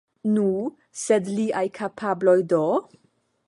Nu, sed liaj kapabloj do?